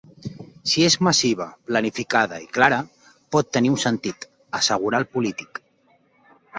Si és massiva, planificada i clara, pot tenir un sentit, assegura el polític.